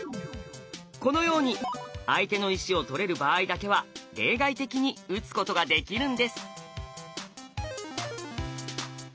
このように相手の石を取れる場合だけは例外的に打つことができるんです。